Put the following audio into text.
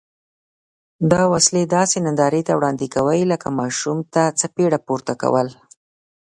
دا وسلې داسې نندارې ته وړاندې کوي لکه ماشوم ته څپېړه پورته کول.